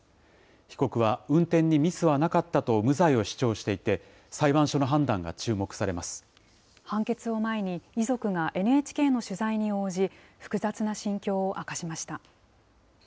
被告は運転にミスはなかったと無罪を主張していて、裁判所の判断判決を前に、遺族がＮＨＫの取材に応じ、複雑な心境を明かしました。